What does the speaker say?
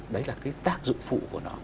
đấy là cái tác dụng phụ của nó